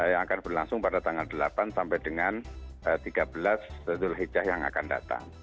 yang akan berlangsung pada tanggal delapan sampai dengan tiga belas zulhijjah yang akan datang